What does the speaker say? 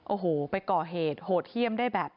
โอ้โหไปก่อเหตุโหดเยี่ยมได้แบบ